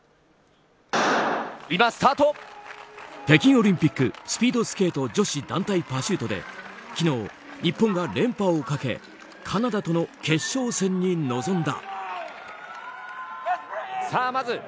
北京オリンピックスピードスケート女子団体パシュートで昨日、日本は連覇をかけカナダとの決勝戦に臨んだ。